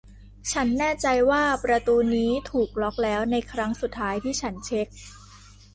ฉันแน่ใจว่าประตูนี้ถูกล็อคแล้วในครั้งสุดท้ายที่ฉันเช็ค